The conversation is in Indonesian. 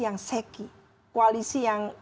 yang seki koalisi yang